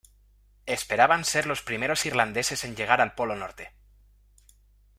Esperaban ser los primeros irlandeses en llegar al Polo Norte.